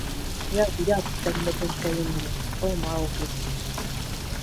Ят, ят, тәлмәрйенкәйем минең, о Маугли!